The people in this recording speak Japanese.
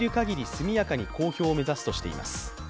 速やかに公表を目指すとしています。